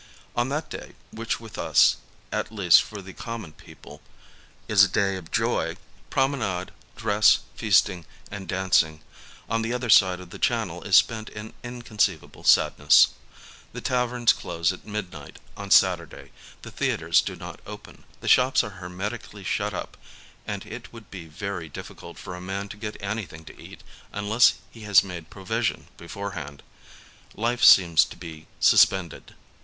On that day, which with us, at least for the common people, is a day of joy, promenade, dress, feastirig and dancing, on the other side of the Channel is spent in inconceivable sadness. The taverns close at midnight on Saturday, the theatres do not open, the shops are hermetically shut up and it would be very diffi cult for a man to get anything to eat unless he has made provision beforehand : life seems to be suspended.